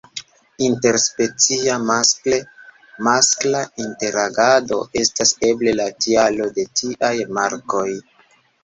Inter-specia maskle-maskla interagado estas eble la tialo de tiaj markoj.